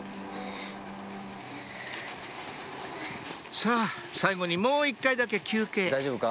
さぁ最後にもう１回だけ休憩大丈夫か？